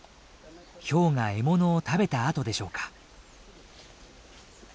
ヒョウが獲物を食べた跡でしょうか。